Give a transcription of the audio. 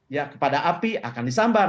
ya kepada api akan disambar